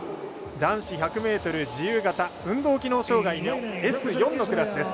男子１００ｍ自由形運動機能障がいのＳ４のクラスです。